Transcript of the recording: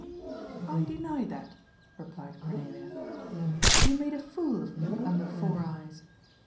" I deny that," replied Cornelia. " You made a fool of me ' under four eyes.'